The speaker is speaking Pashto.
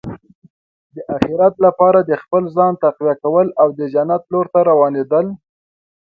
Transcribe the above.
د اخرت لپاره د خپل ځان تقویه کول او د جنت لور ته روانېدل.